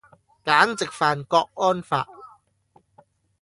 簡直犯郭安發